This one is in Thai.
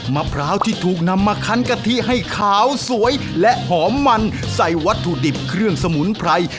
มะพร้าวที่ถูกนำมาคันกะทิให้ขาวสวยและหอมมันใส่วัตถุดิบเครื่องสมุนไพร